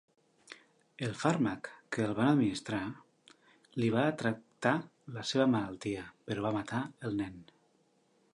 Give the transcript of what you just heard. El fàrmac que el van administrar li va tractar la seva malaltia però va matar el nen.